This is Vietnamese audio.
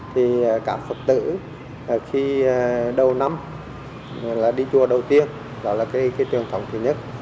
thì cả phật tử khi đầu năm đi chùa đầu tiên đó là trường thống thứ nhất